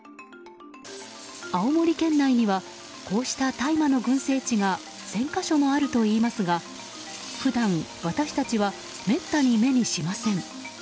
青森県内にはこうした大麻の群生地が１０００か所もあるといいますが普段、私たちはめったに目にしません。